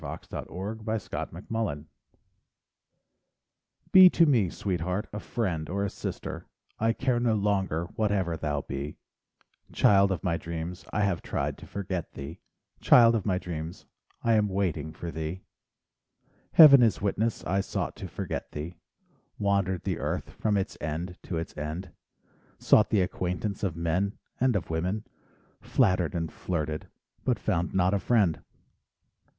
44 ] SONGS AND DREAMS Come to Me Be to me, sweetheart, a friend or a sister, I care no longer whatever thou be; Child of my dreams, I have tried to forget thee, Child of my dreams, I am waiting for thee. Heaven is witness I sought to forget thee, Wandered the earth from its end to its end, Sought the acquaintance of men and of women, Flattered and flirted, but found not a friend.